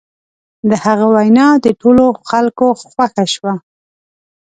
د هغه وینا د ټولو خلکو خوښه شوه.